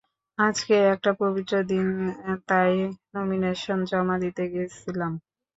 আজকে একটা পবিত্র দিন তাই নমিনেশন জমা দিতে গেছিলাম।